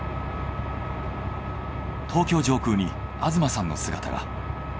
東京上空に東さんの姿が。